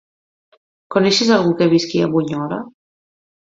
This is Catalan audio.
Coneixes algú que visqui a Bunyola?